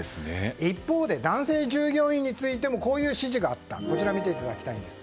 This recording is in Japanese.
一方で、男性従業員についてもこういう指示があった。